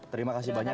terima kasih banyak